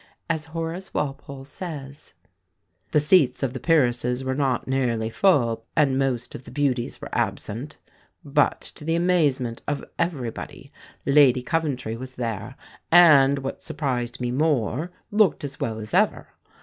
As Horace Walpole says, "The seats of the Peeresses were not nearly full, and most of the beauties were absent; but, to the amazement of everybody, Lady Coventry was there, and, what surprised me more, looked as well as ever.